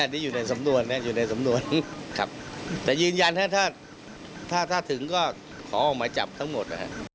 แต่ถ้าถึงก็ขอมาจับทั้งหมด